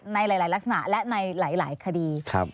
ในหลายลักษณะและในหลายคดี